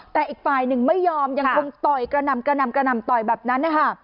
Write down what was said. แต่อีกฝ่ายหนึ่งไม่ยอมยังคงต่อยกระนำแบบนั้น